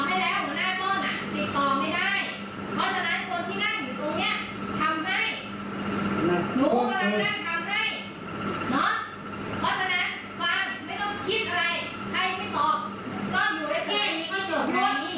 เงียบนั่งฟัง